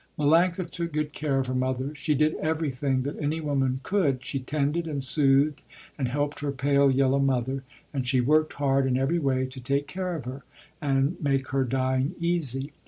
Melanctha took good care of her mother. She did everything that any woman could, she tended and soothed and helped her pale yellow mother, and she worked hard in every way to take care of her, and make her dying easy.